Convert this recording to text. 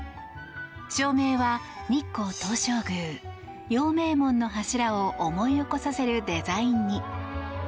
照明は日光東照宮・陽明門の柱を思い起こさせるデザインに。